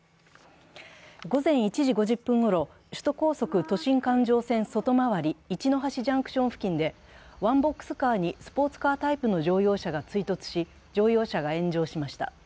午前１時５０分ごろ、首都高速都心環状線外回り一ノ橋ジャンクション付近でワンボックスカーにスポーツカータイプの乗用車が追突し、乗用車が炎上しました。